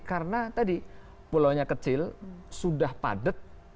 karena tadi pulau nya kecil sudah padat